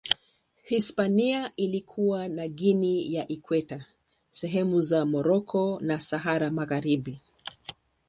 Hispania ilikuwa na Guinea ya Ikweta, sehemu za Moroko na Sahara Magharibi.